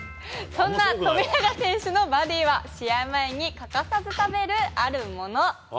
そんな富永選手のバディは、試合前に欠かさず食べる、あるもの。